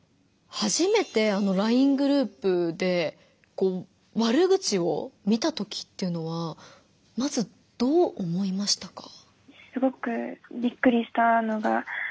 初めてＬＩＮＥグループで悪口を見たときっていうのはまずどう思いましたか？